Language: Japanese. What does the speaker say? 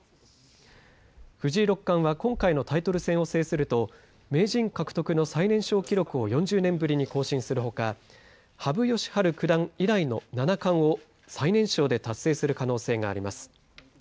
藤井六冠は今回のタイトル戦を制すると名人獲得の最年少記録を４０年ぶりに更新するほか羽生善治九段以来の七冠を最年少で達成する可能性があります。